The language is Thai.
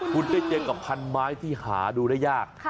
คุณได้เจอกับพันไม้ที่หาดูได้ยาก